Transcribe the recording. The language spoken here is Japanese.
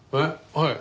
はい。